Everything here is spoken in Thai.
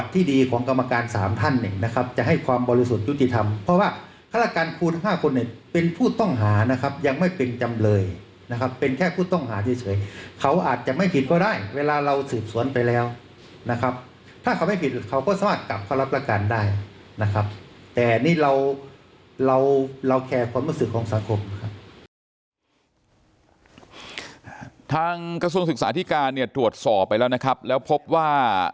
ทางกระทรวงศึกษาธิการถวดสอบไปแล้วพบว่า